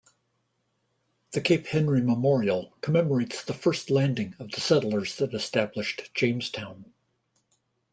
The Cape Henry Memorial commemorates The First Landing of the settlers that established Jamestown.